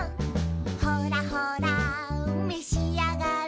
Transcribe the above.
「ほらほらめしあがれ」